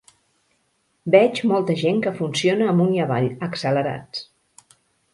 Veig molta gent que funciona amunt i avall, accelerats.